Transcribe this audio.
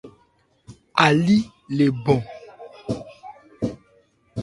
Álí le bɔn.